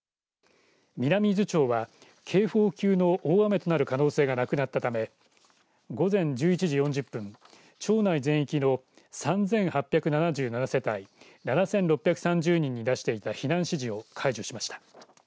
南伊豆町は警報級の大雨となる可能性がなくなったため午前１１時４０分町内全域の３８７７世帯７６３０人に出していた避難指示を解除しました。